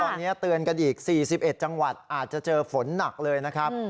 ตอนนี้เตือนกันอีก๔๑จังหวัดอาจจะเจอฝนหนักเลยนะครับ